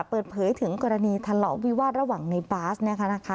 เปิดเผยถึงกรณีทะเลาะวิวาสระหว่างในบาสนะคะ